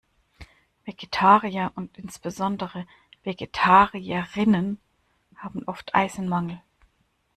Vegetarier und insbesondere Vegetarierinnen haben oft Eisenmangel.